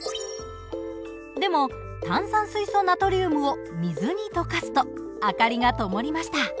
でも炭酸水素ナトリウムを水に溶かすと明かりがともりました。